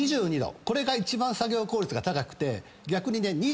これが一番作業効率が高くて逆にね。